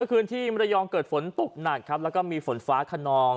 คืนที่มรยองเกิดฝนตกหนักครับแล้วก็มีฝนฟ้าขนอง